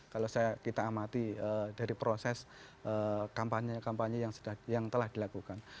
kalau kita amati dari proses kampanye kampanye yang telah dilakukan